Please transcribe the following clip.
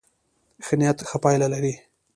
ښه نيت ښه پایله لري.